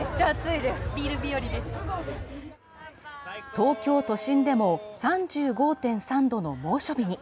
東京都心でも３５．３度の猛暑日に。